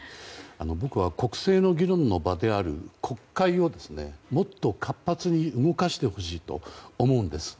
僕は国政の議論の場である国会をもっと活発に動かしてほしいと思うんです。